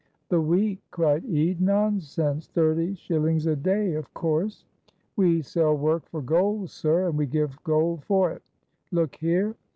"The week," cried Ede, "nonsense thirty shillings a day of course. We sell work for gold, sir, and we give gold for it; look here!"